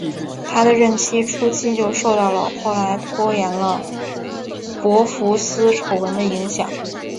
他的任期初期就受到了后来拖延了博福斯丑闻的影响。